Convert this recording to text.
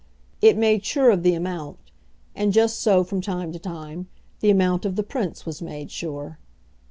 It made sure of the amount and just so, from time to time, the amount of the Prince was made sure.